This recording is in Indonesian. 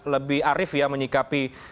lebih arif ya menyikapi